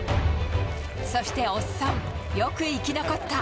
そしておっさん、よく生き残った。